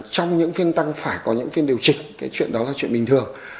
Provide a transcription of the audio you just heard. trong những phiên tăng phải có những phiên điều chỉnh cái chuyện đó là chuyện bình thường